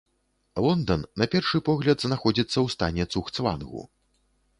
Лондан, на першы погляд, знаходзіцца ў стане цугцвангу.